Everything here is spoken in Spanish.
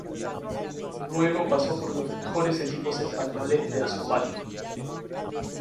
Luego pasó por los mejores equipos españoles de Asobal.